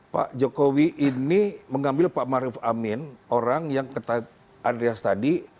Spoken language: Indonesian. pak jokowi ini mengambil pak marufamin orang yang ketat adrias tadi